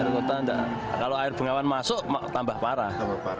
kalau air bengawan masuk tambah parah